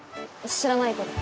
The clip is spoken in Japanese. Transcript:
知らないけど。